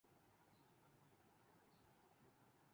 یہ background ہے۔